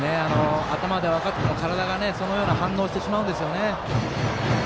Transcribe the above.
頭で分かっていても体が、そのような反応をしてしまうんですよね。